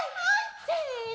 せの！